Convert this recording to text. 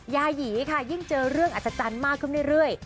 ยาหยีค่ะยิ่งเจอเรื่องอัศจรรย์มากขึ้นเรื่อย